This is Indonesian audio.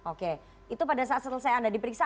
oke itu pada saat selesai anda diperiksa